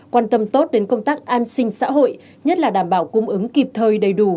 quan tâm tốt đến công tác an sinh xã hội nhất là đảm bảo cung ứng kịp thời đầy đủ